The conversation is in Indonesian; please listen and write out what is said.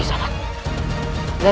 tidak tidak tidak